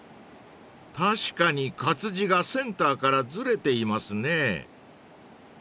［確かに活字がセンターからずれていますね］